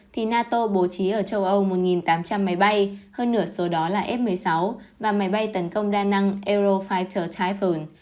thì nato bố trí ở châu âu một tám trăm linh máy bay hơn nửa số đó là f một mươi sáu và máy bay tấn công đa năng aerofical time